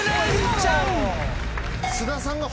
津田さんが。